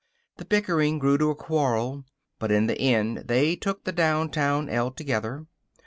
The bickering grew to a quarrel. But in the end they took the downtown el together.